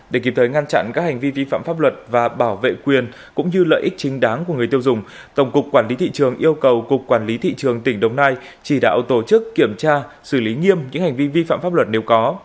để kịp thời ngăn chặn các hành vi vi phạm pháp luật và bảo vệ quyền cũng như lợi ích chính đáng của người tiêu dùng tổng cục quản lý thị trường yêu cầu cục quản lý thị trường tỉnh đồng nai chỉ đạo tổ chức kiểm tra xử lý nghiêm những hành vi vi phạm pháp luật nếu có